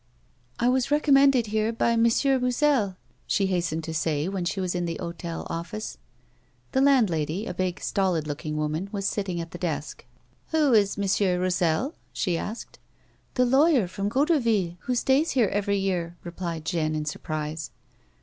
" I was recommended liere by Me. Iloussel," she hastened to say wlien she was in the hotel office. The landlady, a big, stolid looking woman, was sitting at tlie desk. " Who is Me. Roussel ?" she asked. "The lawyer from Goderville, who stays here every year," replied Jeanne, in surprise.